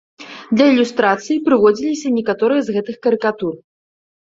Для ілюстрацыі прыводзіліся некаторыя з гэтых карыкатур.